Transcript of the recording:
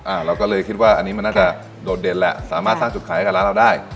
เราก็เลยคิดว่าอันนี้มันน่าจะโดดเด่นแหละสามารถสร้างจุดขายให้กับร้านเราได้